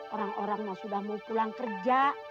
orang orang yang sudah mau pulang kerja